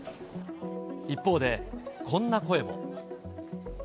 一方で、こんな声も。